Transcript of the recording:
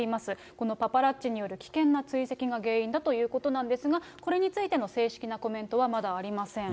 このパパラッチによる危険な追跡が原因だということなんですが、これについての正式なコメントはまだありません。